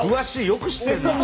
よく知ってるなあ。